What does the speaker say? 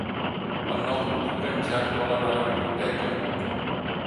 El nou d'octubre en Jan vol anar a la biblioteca.